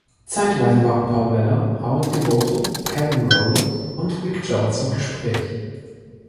Zeitweise waren Paul Weller, Howard Devoto, Kevin Rowland und Mick Jones im Gespräch.